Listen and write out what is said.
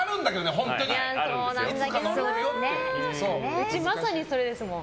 うち、まさにそれですもん。